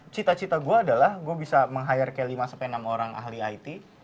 cita cita gue adalah gue bisa meng hire kayak lima sampai enam orang ahli it